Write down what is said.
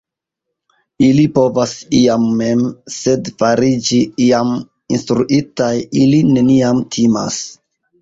ili povas iam mem, sed fariĝi iam instruitaj ili neniam timas!